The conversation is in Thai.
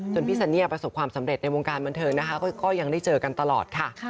พี่ซันเนี่ยประสบความสำเร็จในวงการบันเทิงนะคะก็ยังได้เจอกันตลอดค่ะ